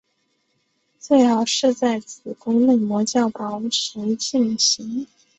最好是在子宫内膜较薄时进行。